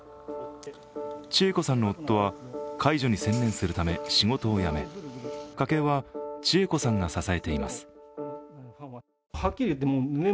千恵子さんの夫は介助に専念するため仕事を辞め家計は千恵子さんが支えています。